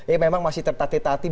ya memang masih tertatih tatih